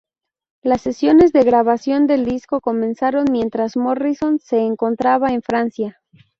Las sesiones de grabación del disco comenzaron mientras Morrison se encontraba en Francia.